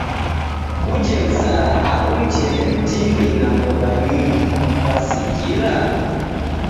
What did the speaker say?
Kuje msara angu mchele mtini na mbogha nyingi, kwasikira?